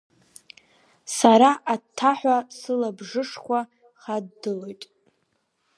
Сара аҭҭаҳәа сылабжышқәа хаддылоит.